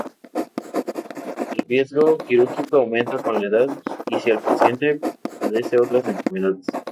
El riesgo quirúrgico aumenta con la edad y si el paciente padece otras enfermedades.